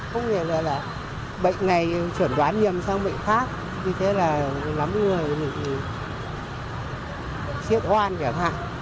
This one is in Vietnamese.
không nghĩa là bệnh này chuẩn đoán nhầm sang bệnh khác vì thế là lắm người siết hoan kẻo hạng